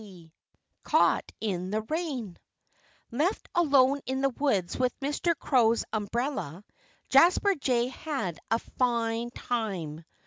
IX CAUGHT IN THE RAIN Left alone in the woods with Mr. Crow's umbrella, Jasper Jay had a fine time.